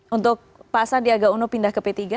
untuk pak sandiaga uno pindah ke p tiga